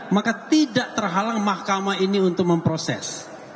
maka tidak terhalang mahkamah ini untuk memproses